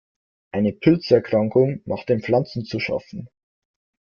Eine Pilzerkrankung macht den Pflanzen zu schaffen.